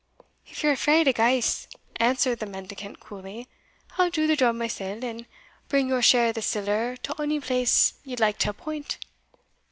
"If ye're afraid of ghaists," answered the mendicant, coolly, "I'll do the job mysell, and bring your share o' the siller to ony place you like to appoint."